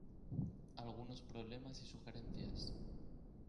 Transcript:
Algunos problemas y sugerencias.